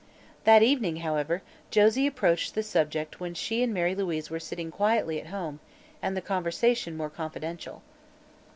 That evening, however, Josie approached the subject when she and Mary Louise were sitting quietly at home and the conversation more confidential.